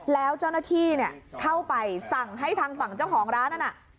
แล้วเจ้าหน้าที่เข้าไปสั่งให้ทางฝั่งเจ้าของร้านนั้น